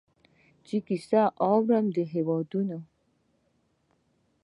چي کیسې اورم د هیوادونو